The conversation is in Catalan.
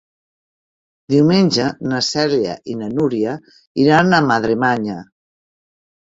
Diumenge na Cèlia i na Núria iran a Madremanya.